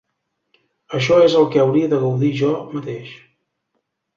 Això és el que hauria de gaudir jo mateix.